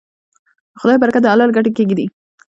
خدای برکت د حلالې ګټې کې ږدي.